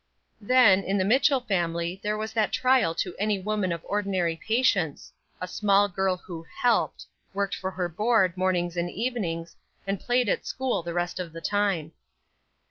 Then, in the Mitchell family there was that trial to any woman of ordinary patience, a small girl who "helped" worked for her board mornings and evenings, and played at school the rest of the time.